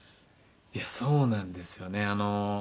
そうなんですよね。